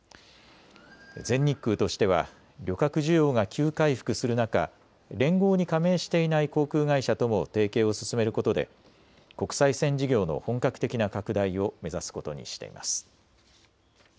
全日空としては旅客需要が急回復する中、連合に加盟していない航空会社とも提携を進めることで国際線事業の本格的な拡大を目指すことにしています。